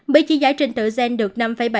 mỹ chỉ giải trình từ gen được năm bảy